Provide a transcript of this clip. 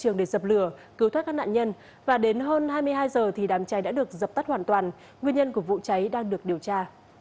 nguyên nhân của vụ cháy đang được điều tra